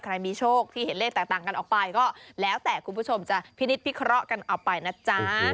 มีโชคที่เห็นเลขแตกต่างกันออกไปก็แล้วแต่คุณผู้ชมจะพินิษฐพิเคราะห์กันเอาไปนะจ๊ะ